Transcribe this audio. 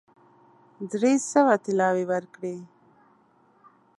درې سوه طلاوي ورکړې.